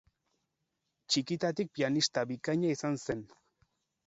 Txikitatik pianista bikaina izan zen.